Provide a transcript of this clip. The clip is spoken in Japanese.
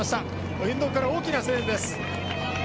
沿道から大きな声援です。